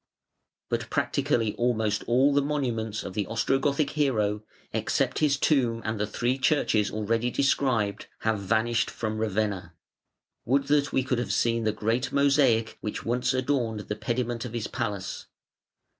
But practically almost all the monuments of the Ostrogothic hero except his tomb and the three churches already described, have vanished from Ravenna. Would that we could have seen the great mosaic which once adorned the pediment of his palace.